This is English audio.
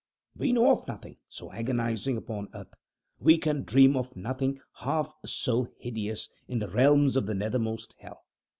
We know of nothing so agonizing upon Earth we can dream of nothing half so hideous in the realms of the nethermost Hell.